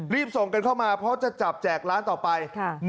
รีบส่งกันเข้ามาเพราะจะจับแจกร้านต่อไป